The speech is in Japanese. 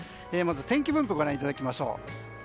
まず天気分布をご覧いただきましょう。